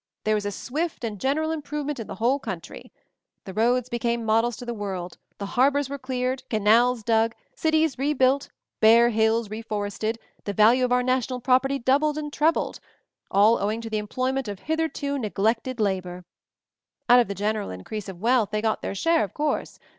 There was a swift and general improvement in the whole country. The roads became models to the world, the harbors were cleared, canals dug, cities rebuilt, bare hills reforested, the value of our national property doubled and trebled — all owing to the employment of hitherto neglected labor. Out of the general increase of wealth they got their share, of course.